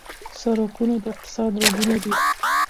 سرکونه د اقتصاد رګونه دي.